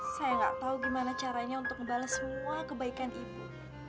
saya nggak tahu gimana caranya untuk membalas semua kebaikan ibu